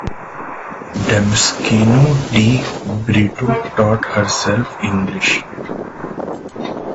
Damasceno de Brito taught herself English.